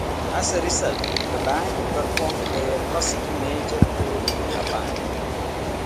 As a result, the band performed their first major tour in Japan.